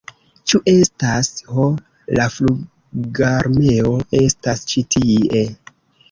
Ĉu estas... ho la flugarmeo estas ĉi tie!